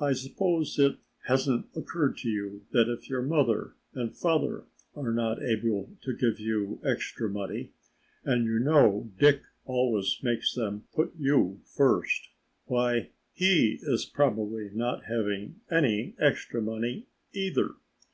"I suppose it hasn't occurred to you that if your mother and father are not able to give you extra money, and you know Dick always makes them put you first, why he is probably not having any extra money either.